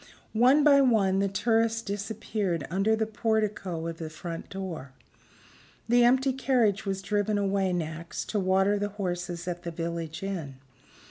One by one the tourists disappeared under the portico of the front door. The empty carriage was driven away next, to water the horses at the village inn.